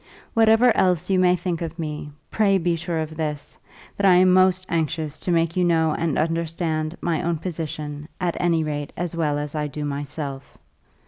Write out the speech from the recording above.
Whatever else you may think of me, pray be sure of this, that I am most anxious to make you know and understand my own position at any rate as well as I do myself.